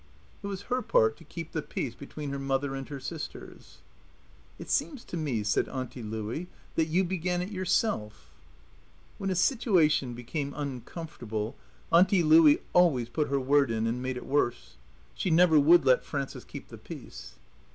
It was her part to keep the peace between her mother and her sisters. "It seems to me," said Auntie Louie, "that you began it yourself." When a situation became uncomfortable, Auntie Louie always put her word in and made it worse. She never would let Frances keep the peace.